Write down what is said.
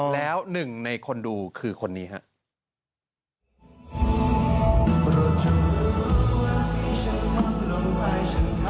แล้วหนึ่งในคนดูคือคนนี้ครับ